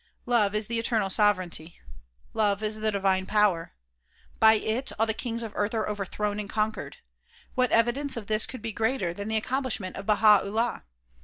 Love is the eternal sovereignty. Love is the divine power. By it all the kings of earth are overthrown and conquered. What evidence of this could be greater than the accomplishment of Baha 'Ullah